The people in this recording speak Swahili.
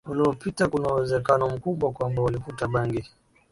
uliopita Kuna uwezekano mkubwa kwamba walivuta bangi